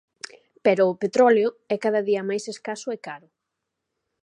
Pero o petróleo é cada día máis escaso e caro.